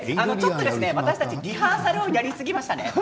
私たちリハーサルをやりすぎましたね。